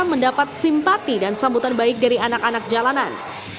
mendapat simpati dan sambutan baik dari anak anak jalanan